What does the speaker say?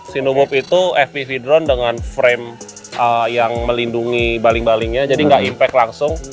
sinumop itu fpv drone dengan frame yang melindungi baling balingnya jadi nggak impact langsung